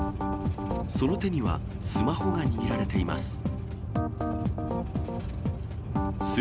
その手には、スマホが握られています。